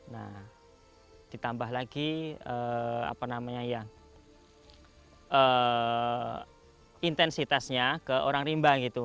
nah ditambah lagi intensitasnya ke orang rimba gitu